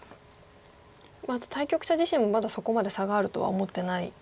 あと対局者自身もまだそこまで差があるとは思ってない。